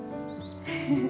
フフフッ。